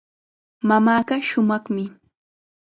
Mamaaqa shumaqmi.